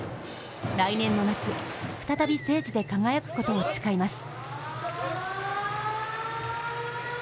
来年の夏、再び聖地で輝くことを誓います。